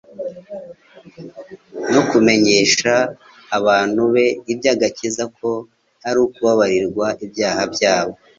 no kumenyesha abantu be iby'agakiza ko ari ukubabarirwa ibyaha byabo,